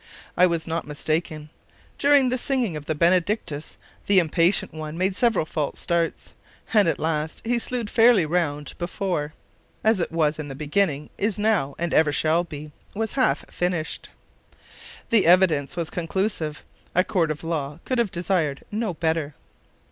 I was not mistaken. During the singing of the Benedictus the impatient one made several false starts, and at last he slewed fairly round before "As it was in the beginning, is now, and ever shall be" was half finished. The evidence was conclusive: a court of law could have desired no better.